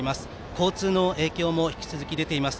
交通の影響も引き続き出ています。